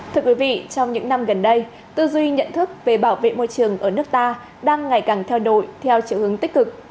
thưa quý vị trong những năm gần đây tư duy nhận thức về bảo vệ môi trường ở nước ta đang ngày càng theo đuổi theo triệu hướng tích cực